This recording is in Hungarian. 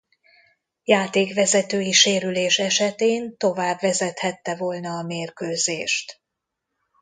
Játékvezetői sérülés esetén tovább vezethette volna a mérkőzést.